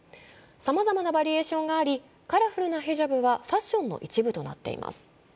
さまざまなバリエーションがあり、カラフルなヒジャブはファッションの一部となっています。